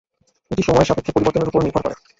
এটি সময়ের সাপেক্ষে পরিবর্তনের ওপর নির্ভর করে।